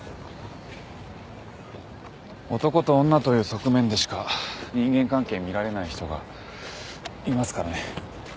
男と女という側面でしか人間関係見られない人がいますからね。